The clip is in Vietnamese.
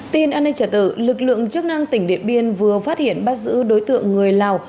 tin an ninh trả tự lực lượng chức năng tỉnh điện biên vừa phát hiện bắt giữ đối tượng người lào